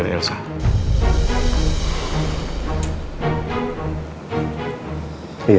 men plus kali ini